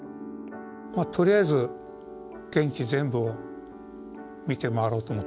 とりあえず現地全部を見て回ろうと思って。